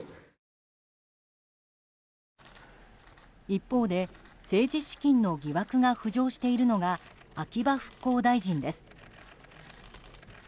一方で政治資金の疑惑が浮上しているのが秋葉復興大臣です。